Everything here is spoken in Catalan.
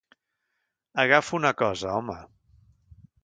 Agafa una cosa, home.